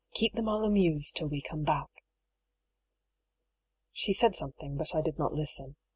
Keep them all amused till we come back." She said something, but I did not listen.